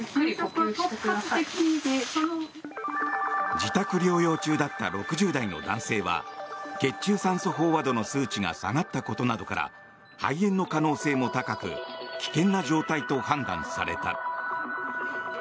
自宅療養中だった６０代の男性は血中酸素飽和度の数値が下がったことなどから肺炎の可能性も高く危険な状態と判断された。